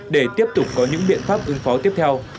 để tiếp tục có những biện pháp ứng phó tiếp theo